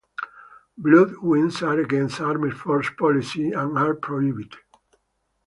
Blood wings are against Armed Forces Policy and are prohibited.